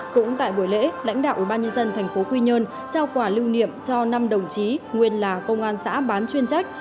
cũng tại buổi lễ lãnh đạo ubnd tp quy nhơn trao quả lưu niệm cho năm đồng chí nguyên là công an xã bán chuyên trách